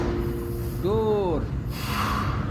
ڈُور